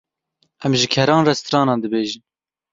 Em ji keran re stranan dibêjin.